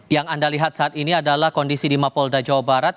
yang anda lihat saat ini adalah kondisi di mapolda jawa barat